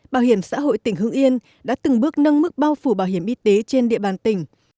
bảo hiểm xã hội tỉnh hưng yên đã từng bước nâng mức bao phủ bảo hiểm y tế trên địa bàn tỉnh